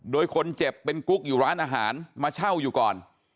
โดยคนเจ็บเป็นกุ๊กอยู่ร้านอาหารมาเช่าอยู่ก่อน